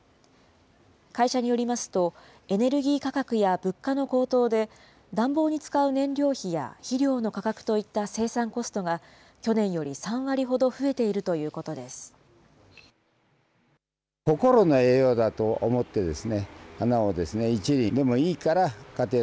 会社によりますと、エネルギー価格や物価の高騰で、暖房に使う燃料費や肥料の価格といった生産コストが、去年より３割ほど増えているということです。